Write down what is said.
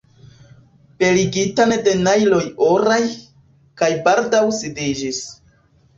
Beligitan de najloj oraj, kaj baldaŭ sidiĝis.